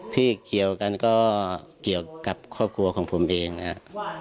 เกี่ยวกันก็เกี่ยวกับครอบครัวของผมเองนะครับ